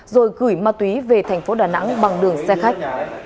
rồi gửi ma túy về thành phố đà nẵng bằng đường xe khách